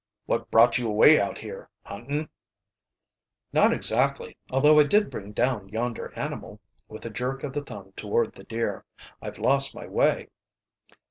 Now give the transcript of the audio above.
"What brought you away out here? Hunting?" "Not exactly, although I did bring down yonder animal," with a jerk of the thumb toward the deer. "I've lost my way."